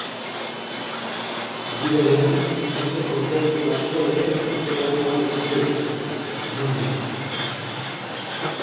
Aldi berean, beste kontzertu asko ere aukeratu ahal izango dituzue, nonahi.